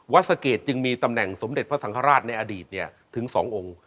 สะเกดจึงมีตำแหน่งสมเด็จพระสังฆราชในอดีตถึง๒องค์